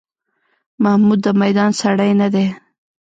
محمود د میدان سړی نه دی.